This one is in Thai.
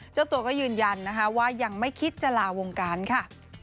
เจ้าตัวก็ยืนยันนะคะว่ายังไม่คิดจะลาวงการค่ะ